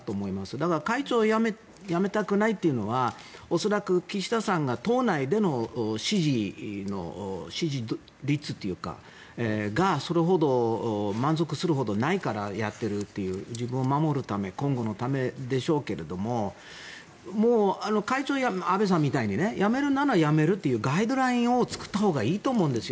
だから会長を辞めたくないというのは恐らく岸田さんが党内での支持率がそれほど満足するほどないからやっているという自分を守るため今後のためでしょうけれどもう安倍さんみたいに会長を辞めるなら辞めるというガイドラインを作ったほうがいいと思うんですよ